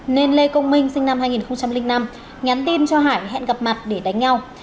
nên lê công minh sinh năm hai nghìn năm nhắn tin cho hải hẹn gặp mặt để đánh nhau